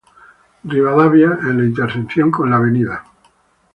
Rivadavia, en la intersección con la "Av.